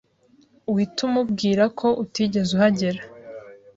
uhite umubwira ko utigeze uhagera